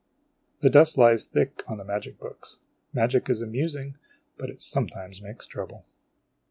The dust lies thick on the magic books. Magic is amusing, but it sometimes makes trouble.